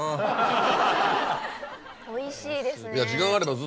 おいしいですね。